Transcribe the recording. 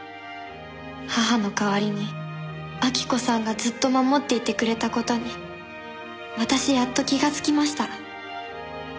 「母の代わりに晃子さんがずっと守っていてくれたことに私やっと気がつきました」